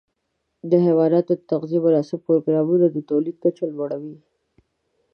د حيواناتو د تغذیې مناسب پروګرام د تولید کچه لوړه وي.